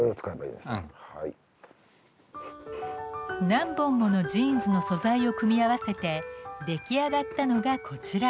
何本ものジーンズの素材を組み合わせて出来上がったのがこちら。